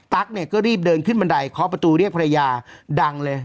เนี่ยก็รีบเดินขึ้นบันไดเคาะประตูเรียกภรรยาดังเลย